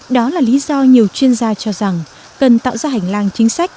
đó là lý do nhiều chuyên gia cho rằng cần tạo ra hành lang chính sách